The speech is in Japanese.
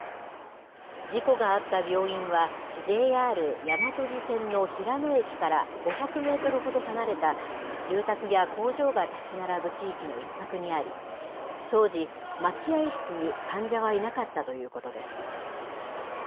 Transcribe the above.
事故があった病院は、ＪＲ大和路線の平野駅から５００メートルほど離れた、住宅や工場が建ち並ぶ地域の一角にあり、当時、待合室に患者はいなかったということです。